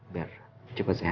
biar cepat sehat ya